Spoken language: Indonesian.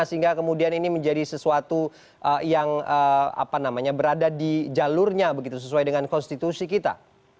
sehingga kemudian ini menjadi sesuatu yang berada di jalurnya begitu sesuai dengan konstitusi kita